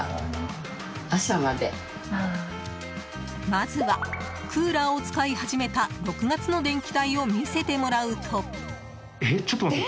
まずは、クーラーを使い始めた６月の電気代を見せてもらうと。